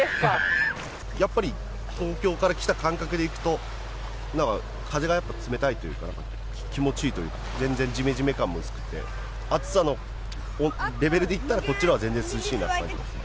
やっぱり東京から来た感覚でいくと、なんか風がやっぱり冷たいというか、気持ちいいというか、全然じめじめ感も薄くて、暑さのレベルでいったら、こっちのほうが全然涼しいなって感じですね。